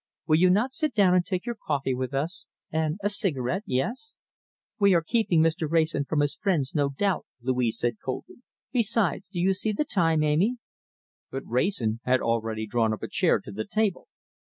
Will you not sit down and take your coffee with us and a cigarette yes?" "We are keeping Mr. Wrayson from his friends, no doubt," Louise said coldly. "Besides do you see the time, Amy?" But Wrayson had already drawn up a chair to the table.